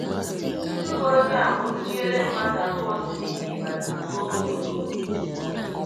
Ndị Uweojii Anwụchiela Mmadụ Abụọ Siri Ibadan Gaa Ohi n'Ogun